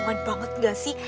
kampungan banget gak sih